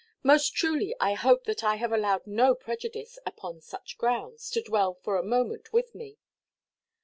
Most truly I hope that I have allowed no prejudice, upon such grounds, to dwell for a moment with me."